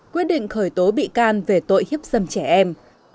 quyết định khởi tố bị can về tội hiếp dâm trẻ em